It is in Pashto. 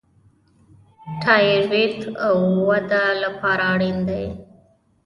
تایرویډ وده لپاره اړین دی.